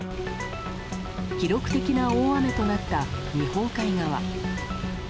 記録的な大雨となった日本海側。